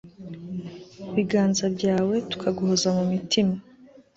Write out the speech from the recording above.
biganza byawe, tukaguhoza mu mitima